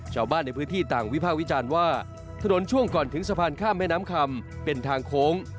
ชาวบ้านในพื้นที่ต่างวิภาควิจารณ์ว่าถนนช่วงก่อนถึงสะพานข้ามแม่น้ำคำเป็นทางโค้ง